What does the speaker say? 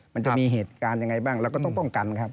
มันจะมีเหตุการณ์ยังไงบ้างเราก็ต้องป้องกันครับ